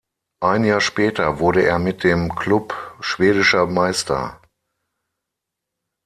Ein Jahr später wurde er mit dem Klub schwedischer Meister.